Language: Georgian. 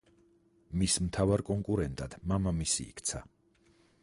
მის მთავარ კონკურენტად მამამისი იქცა.